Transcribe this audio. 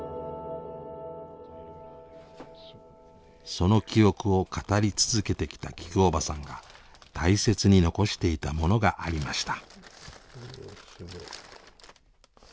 その記憶を語り続けてきたきくおばさんが大切に遺していたものがありました。